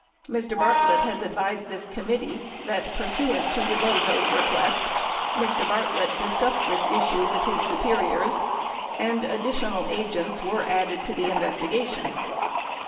Mr. Bartlett has advised this committee that pursuant to Rebozo's request, Mr. Bartlett discussed this issue with his superiors and additional agents were added to the investi gation.